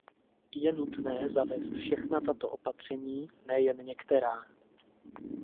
Je nutné zavést všechna tato opatření, ne jen některá.